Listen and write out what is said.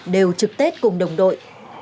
đều trực tết cùng đồng đội